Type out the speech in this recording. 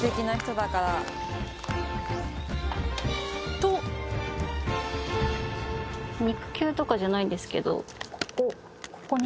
と肉球とかじゃないんですけどここ。